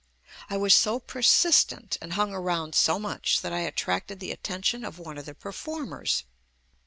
I was so persistent and hung around so much that I attracted the attention of one of the perform ers.